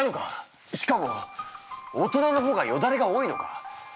しかも大人のほうがよだれが多いのか？